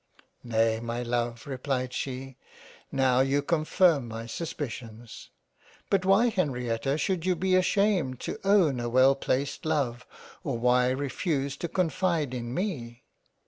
" Nay my Love replied she, now you confirm my sus picions. But why Henrietta should you be ashamed to own a well placed Love, or why refuse to confide in me